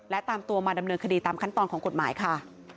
และตามตัวมาดำเนินคดีตามขั้นตอนของกฎหมายค่ะ